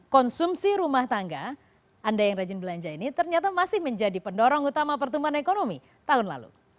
konsumsi rumah tangga anda yang rajin belanja ini ternyata masih menjadi pendorong utama pertumbuhan ekonomi tahun lalu